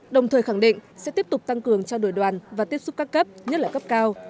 đồng thời khẳng định sẽ tiếp tục tăng cường trao đổi đoàn và tiếp xúc các cấp nhất là cấp cao